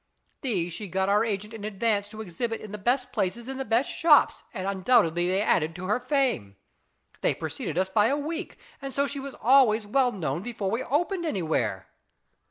These she got our agent in advance to exhibit in the best places in the best shops, and undoubtedly they added to her fame. They IS IT A MAN? 265 preceded us by a week, and so she was always well known before we opened anywhere.